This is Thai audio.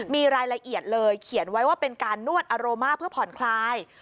มีรายละเอียดเลยเขียนไว้ว่าเป็นการนวดอาโรมาเพื่อผ่อนคลาย